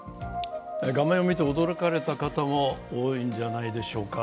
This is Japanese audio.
画面を見て驚かれた方も多いのではないでしょうか。